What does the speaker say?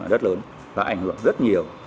rất lớn và ảnh hưởng rất nhiều